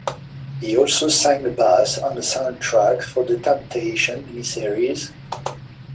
He also sang bass on the soundtrack for the "The Temptations" mini series.